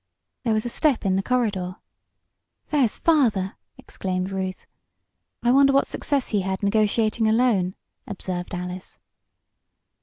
There was a step in the corridor. "There's father!" exclaimed Ruth. "I wonder what success he had negotiating a loan?" observed Alice.